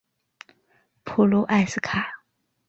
普卢埃斯卡。